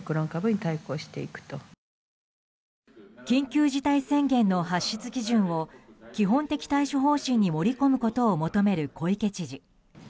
緊急事態宣言の発出基準を基本的対処方針に盛り込むことを求める小池知事。